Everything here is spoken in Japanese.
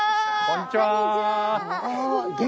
こんにちは！